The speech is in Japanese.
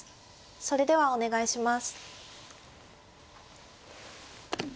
それではお願いします。